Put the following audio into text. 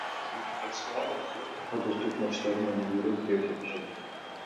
ФИФА достук матчтарын маанилүүрөөк деп эсептешет.